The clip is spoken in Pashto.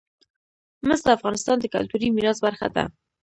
مس د افغانستان د کلتوري میراث برخه ده.